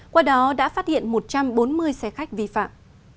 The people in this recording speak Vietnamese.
qua đó đã phát hiện một trăm bốn mươi xe khách vi phạm